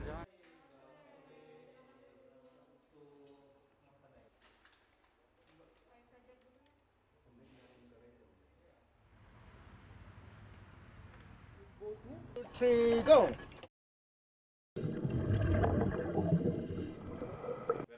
jadilah bisa diartikan